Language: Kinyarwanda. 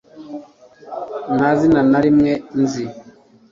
nta zina na rimwe nzi